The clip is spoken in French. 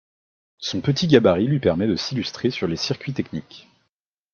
Son petit gabarit lui permet de s'illustrer sur les circuits techniques.